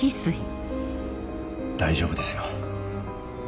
大丈夫ですよ。